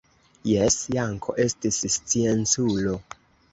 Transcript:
Jes, Janko estis scienculo.